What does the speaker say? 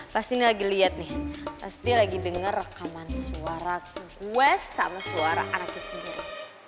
pasti ini lagi lihat nih pasti dia lagi denger rekaman suara gue sama suara anaknya sendiri